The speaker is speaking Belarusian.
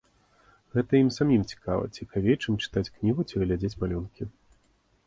Гэта ім самім цікава, цікавей, чым чытаць кнігу ці глядзець малюнкі.